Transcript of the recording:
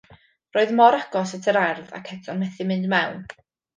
Roedd mor agos at yr ardd ac eto'n methu mynd mewn.